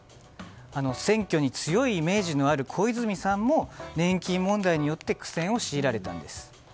選挙に強いイメージのある小泉さんも年金問題によって苦戦を強いられたんです。